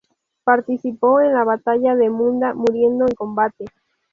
Participó en la batalla de Munda, muriendo en combate.